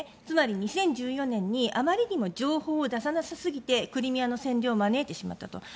つまり２０１４年にあまりにも情報を出さなさすぎてクリミアの占領を招いてしまったと。